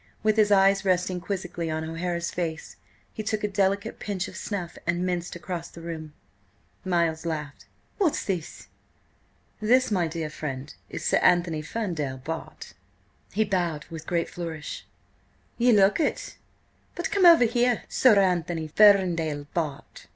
With his eyes resting quizzically on O'Hara's face, he took a delicate pinch of snuff and minced across the room. Miles laughed. "What's this?" "This, my dear friend, is Sir Anthony Ferndale, Bart.!" He bowed with great flourish. "Ye look it. But come over here, Sir Anthony Ferndale, Bart.